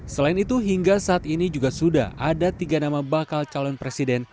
selain itu hingga saat ini juga sudah ada tiga nama bakal calon presiden